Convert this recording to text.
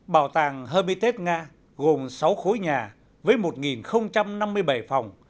bảo tàng herbite nga gồm sáu khối nhà với một năm mươi bảy phòng